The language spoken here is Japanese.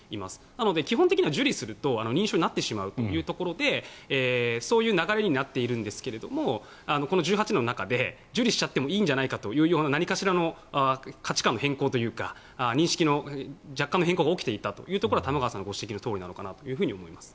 なので基本的には受理すると認証になってしまうというところでそういう流れになっているんですがこの１８年の中で受理しちゃってもいいんじゃないかというような何かしらの価値観の変更というか認識の若干の変更が起きていたということは玉川さんのご指摘のとおりなのかなと思います。